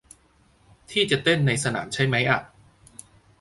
ที่จะเต้นในสนามใช่มั้ยอะ